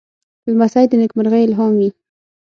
لمسی د نېکمرغۍ الهام وي.